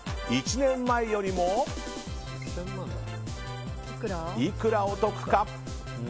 １年前よりも、いくらお得か。